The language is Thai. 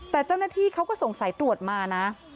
แต่เจ้าหน้าที่เขาก็ส่งสายตรวจมานะ